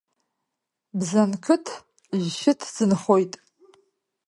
Бзанқыҭ жәшәы ҭӡы нхоит.